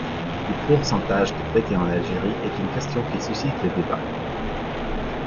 Le pourcentage de chrétiens en Algérie est une question qui suscite le débat.